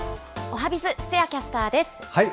おはＢｉｚ、布施谷キャスターです。